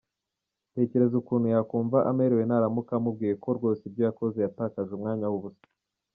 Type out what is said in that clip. Tekereza ukuntu yakumva amerewe nuramuka umubwiye ko rwose ibyo yakoze yatakaje umwanya w’ubusa.